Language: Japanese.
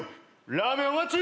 ラーメンお待ち！